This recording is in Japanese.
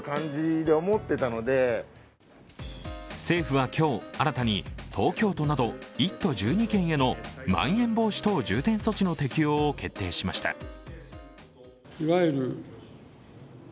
政府は今日、新たに東京都など１都１２県へのまん延防止等重点措置の適用を決定しました。